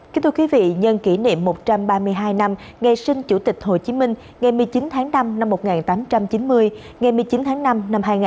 kính thưa quý vị nhân kỷ niệm một trăm ba mươi hai năm ngày sinh chủ tịch hồ chí minh ngày một mươi chín tháng năm năm một nghìn tám trăm chín mươi ngày một mươi chín tháng năm năm hai nghìn hai mươi bốn